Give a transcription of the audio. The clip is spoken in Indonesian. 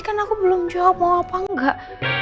kan aku belum jawab mau apa enggak